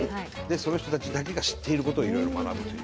その人たちだけが知っていることをいろいろ学ぶという。